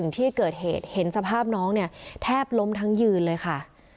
ที่เกิดเหตุเห็นสภาพน้องเนี่ยแทบล้มทั้งยืนเลยค่ะ